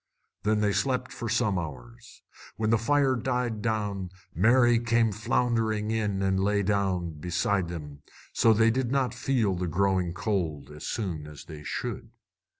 Then they slept for some hours. When the fire died down Mary came floundering in and lay down, beside them, so they did not feel the growing cold as soon as they should.